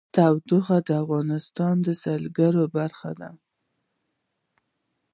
تودوخه د افغانستان د سیلګرۍ برخه ده.